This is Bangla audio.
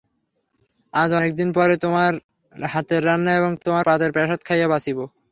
আজ অনেক দিন পরে তোমার হাতের রান্না এবং তোমার পাতের প্রসাদ খাইয়া বাঁচিব।